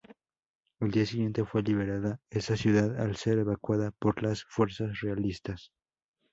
Al día siguiente fue liberada esa ciudad al ser evacuada por las fuerzas realistas.